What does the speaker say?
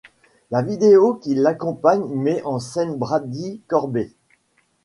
La vidéo qui l’accompagne met en scène Brady Corbet.